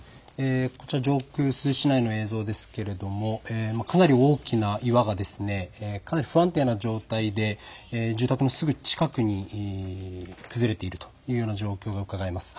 上空、珠洲市内の映像ですけれどもかなり大きな岩がかなり不安定な状態で住宅のすぐ近くに崩れているというような状況がうかがえます。